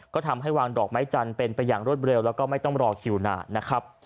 ก็ทำให้วางดอกไม้จันทร์เป็นไปอย่างรวดเร็วแล้วก็ไม่ต้องรอคิวนานนะครับ